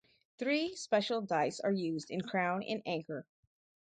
Three special dice are used in Crown and Anchor.